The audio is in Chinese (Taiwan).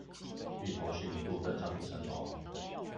芋頭西米露，更上一層樓